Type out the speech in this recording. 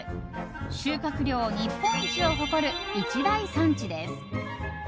収穫量日本一を誇る一大産地です。